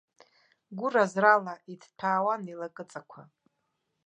Гәыразрала иҭҭәаауан илакыҵақәа.